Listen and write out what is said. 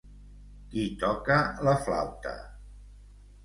Qui toca la flauta?